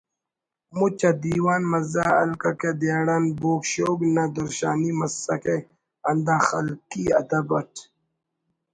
مچ آ دیوان مزہ ہلککہ داڑان بوگ شوگ نا درشانی مسکہ ہندا خلقی ادب اٹ